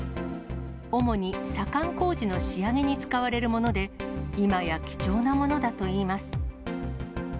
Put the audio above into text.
主に左官工事の仕上げに使われるもので、今や貴重なものだといいます。